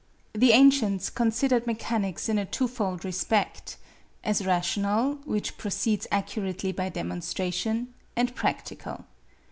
The ancients considered mechanics in a twofold respect; as rational, which proceeds accurately by demonstration, and practical.